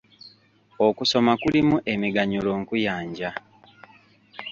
Okusoma kulimu emiganyulo nkuyanja.